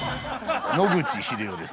野口英世です。